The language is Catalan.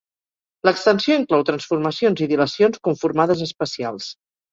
L'extensió inclou transformacions i dilacions conformades especials.